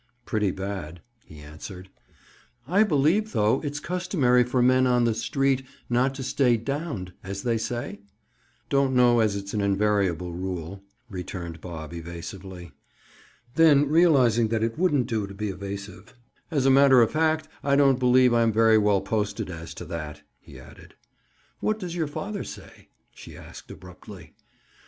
"Pretty bad," he answered. "I believe, though, it's customary for men on the 'street' not to stay 'downed,' as they say?" "Don't know as it's an invariable rule," returned Bob evasively. Then realizing it wouldn't do to be evasive: "As a matter of fact, I don't believe I'm very well posted as to that," he added. "What does your father say?" she asked abruptly.